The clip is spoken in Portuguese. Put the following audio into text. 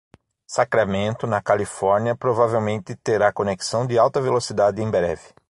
Sacramento, na Califórnia, provavelmente terá conexão de alta velocidade em breve.